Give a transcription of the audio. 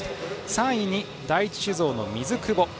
３位に第一酒造の水久保。